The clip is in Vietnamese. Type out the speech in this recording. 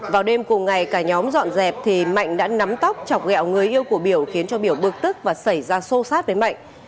vào đêm cùng ngày cả nhóm dọn dẹp thì mạnh đã nắm tóc chọc gẹo người yêu của biểu khiến cho biểu bực tức và xảy ra xô xát với mạnh